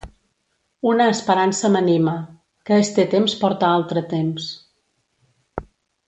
Una esperança m’anima: que este temps porta altre temps.